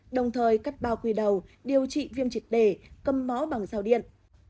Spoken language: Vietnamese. đồng thời cắt bao quy đầu điều trị viêm triệt đề cầm mó bằng dao điện